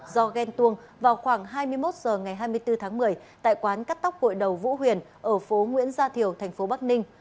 do ghen tuông vào khoảng hai mươi một h ngày hai mươi bốn tháng một mươi tại quán cắt tóc gội đầu vũ huyền ở phố nguyễn gia thiểu thành phố bắc ninh